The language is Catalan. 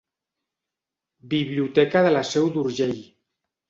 Biblioteca de la Seu d'Urgell.